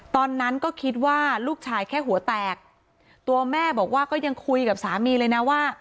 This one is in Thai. ตอนนั้นก็คิดว่าลูกชายแค่หัวแตกตัวแม่บอกว่าก็ยังคุยกับสามีเลยนะว่า